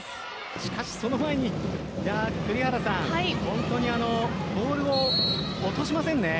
しかし、その前に本当にボールを落としませんね。